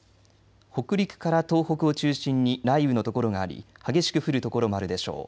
北陸から東北を中心に雷雨の所があり激しく降る所もあるでしょう。